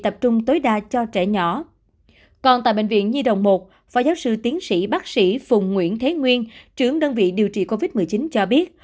phó giáo sư phùng nguyễn thế nguyên trưởng đơn vị điều trị covid một mươi chín cho biết